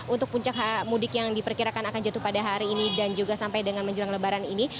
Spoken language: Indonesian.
untuk puncak mudik yang diperkirakan akan jatuh pada hari ini dan juga sampai dengan menjelang lebaran ini